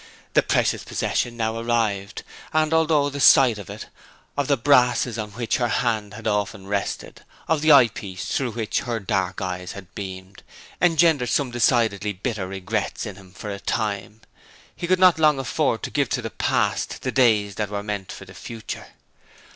The precious possession now arrived; and although the sight of it of the brasses on which her hand had often rested, of the eyepiece through which her dark eyes had beamed engendered some decidedly bitter regrets in him for a time, he could not long afford to give to the past the days that were meant for the future.